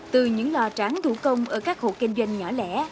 từ những lò tráng thủ công ở các hộ kinh doanh nhỏ lẻ